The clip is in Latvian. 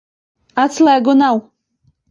Atslēgu nav.